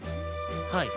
はい。